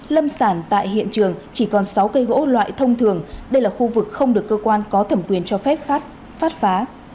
lâm sản tại hiện trường chỉ còn sáu cây gỗ loại thông thường đây là khu vực không được cơ quan có thẩm quyền cho phép phát phá